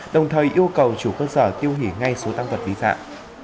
đồng thời yêu cầu chủ cơ sở tiêu hủy ngay số tăng vật vi phạm